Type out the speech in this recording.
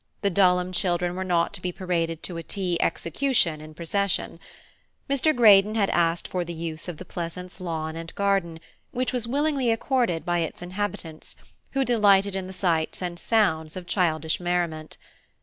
The Dulham children were not to be paraded to a tea execution in procession. Mr. Greydon had asked for the use of the Pleasance lawn and garden, which was willingly accorded by its inhabitants, who delighted in the sights and sounds of childish merriment.